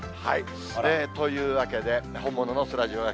というわけで、本物のそらジローが。